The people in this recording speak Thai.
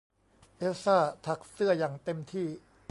เอลซ่าถักเสื้ออย่างเต็มที่